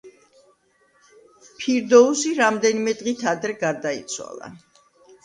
ფირდოუსი რამდენიმე დღით ადრე გარდაიცვალა.